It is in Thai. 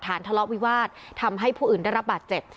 ทะเลาะวิวาสทำให้ผู้อื่นได้รับบาดเจ็บ